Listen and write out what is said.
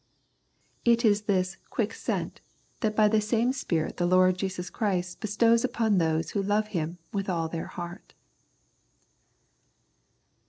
It is this " quick scent " that by the same Spirit the Lord Jesus Christ bestows upon those who love Him with all the heart.